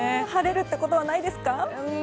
晴れるってことはないですか？